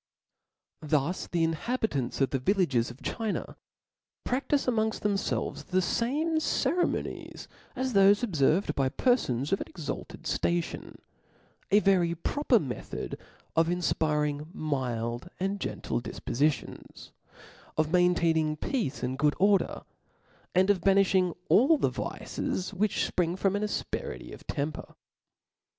S?u^alde. Thus the inhabitants of the {') village^ of Chi na, praftice amongft themfelves the fame ceremo nies, as thofe obferved by perfons of an exalted ftation } a very proper method of infpiring mild and gentle difporuions, of mai|>taining peace and good order, and of bani filing all the vices which fpring from an afperity of temper.